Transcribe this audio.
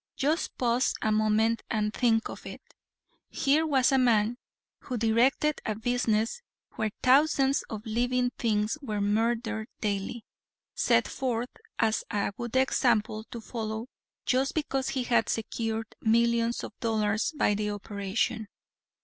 Just pause a moment and think of it. Here was a man who directed a business where thousands of living things were murdered daily, set forth as a good example to follow just because he had secured millions of dollars by the operation.